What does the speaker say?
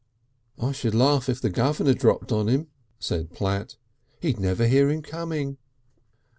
"I should laugh if the Governor dropped on him," said Platt. "He'd never hear him coming."